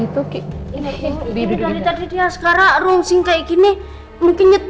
terima kasih bu